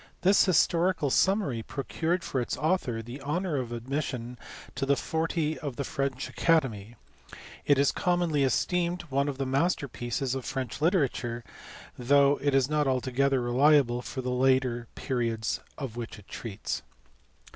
The historical summary procured for its author the honour of admission to the forty of the French Academy ; it is commonly esteemed one of the master pieces of French literature, though it is not altogether reliable for the later periods of which it treats.